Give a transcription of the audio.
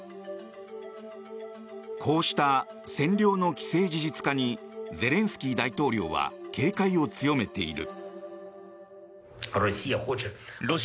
こうした占領の既成事実化にゼレンスキー大統領は警戒を強めている。